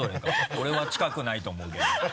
俺は近くないと思うけど。